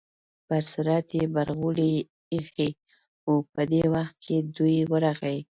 پر سر یې برغولی ایښی و، په دې وخت کې دوی ورغلې.